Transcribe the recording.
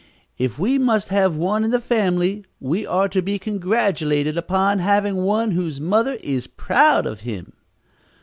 If we must have one in the family we are to be congratulated upon having one whose mother is proud of him."